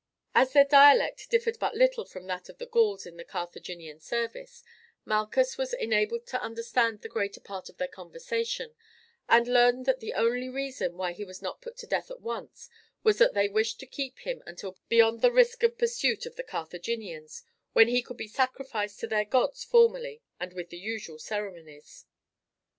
As their dialect differed but little from that of the Gauls in the Carthaginian service, Malchus was enabled to understand the greater part of their conversation, and learned that the only reason why he was not put to death at once was that they wished to keep him until beyond the risk of pursuit of the Carthaginians, when he could be sacrificed to their gods formally and with the usual ceremonies.